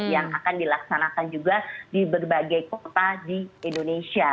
yang akan dilaksanakan juga di berbagai kota di indonesia